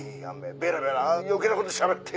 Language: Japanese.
ベラベラ余計なことしゃべって。